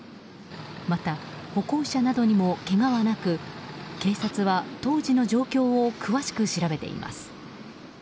また、歩行者などにもけがはなく警察は当時の状況を詳しく調べています。